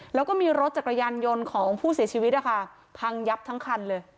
แล้วก็มีรถจักรยานยนต์ของผู้เสียชีวิตนะคะพังยับทั้งคันเลย